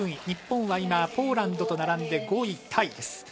日本は今、ポーランドと並んで５位タイ。